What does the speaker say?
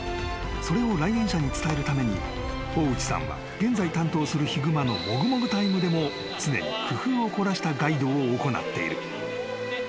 ［それを来園者に伝えるために大内さんは現在担当するヒグマのもぐもぐタイムでも常に工夫を凝らしたガイドを行っている］